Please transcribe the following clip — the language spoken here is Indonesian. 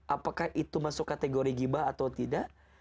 apakah itu masuk kategori gibah atau tidak